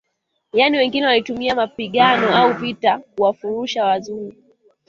Yani wengine walitumia mapigano au vita kuwafurusha wazungu